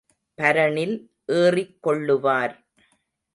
பரணில் ஏறிக் கொள்ளுவார்.